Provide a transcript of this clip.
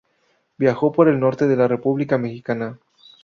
Viajó por el norte de la República mexicana.